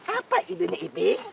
apa idunya ipin